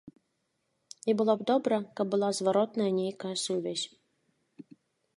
І было б добра, каб была зваротная нейкая сувязь.